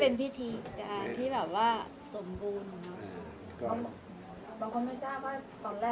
บางคนไม่ทราบว่าตอนแรกทำไมไม่มีพิธีการงานเลย